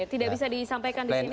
tidak bisa disampaikan di sini